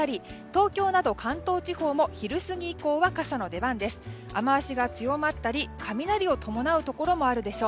東京など関東地方も昼過ぎ以降は傘の出番です。